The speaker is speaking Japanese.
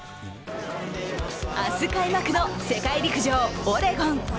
明日開幕の世界陸上オレゴン。